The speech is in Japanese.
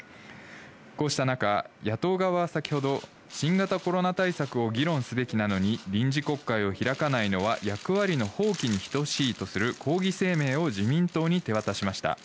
こうした中、野党側は先ほど新型コロナ対策を議論すべきなのに臨時国会を開かないのは役割の放棄に等しいとする抗議声明を自民党に手渡しました。